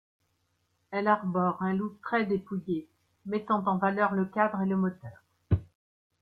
Elle arbore un look très dépouillé, mettant en valeur le cadre et le moteur.